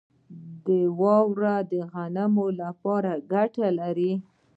واوره د غنمو لپاره ګټه لري.